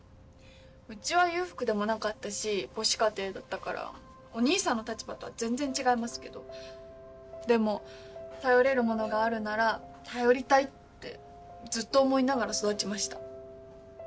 うちは裕福でもなかったし母子家庭だったからお兄さんの立場とは全然違いますけどでも頼れるものがあるなら頼りたいってずっと思いながら育ちました。